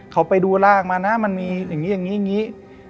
เขาไปดูรากมานะมันมีอย่างนี้อย่างนี้